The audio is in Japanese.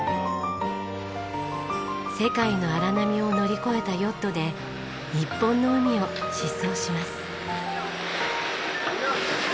世界の荒波を乗り越えたヨットで日本の海を疾走します。